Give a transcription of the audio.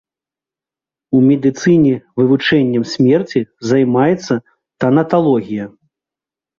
У медыцыне вывучэннем смерці займаецца танаталогія.